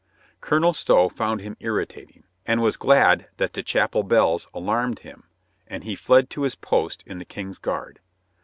Colonel Stow found him irritating, and was glad that the chapel bells alarmed him, and he fled to his post in the King's Guard.